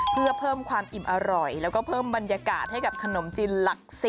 เพื่อเพิ่มความอิ่มอร่อยแล้วก็เพิ่มบรรยากาศให้กับขนมจีนหลัก๑๐